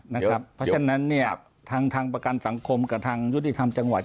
เพราะฉะนั้นทางประกันสังคมกับทางยุติธรรมจังหวัด